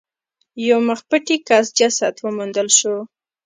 یو مخ پټي کس جسد وموندل شو.